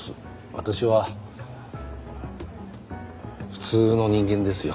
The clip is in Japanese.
私は普通の人間ですよ。